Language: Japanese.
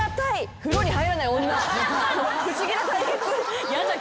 不思議な対決。